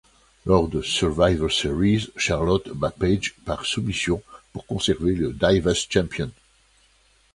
Lors de Survivor Series, Charlotte bat Paige par soumission pour conserver le Divas Champion.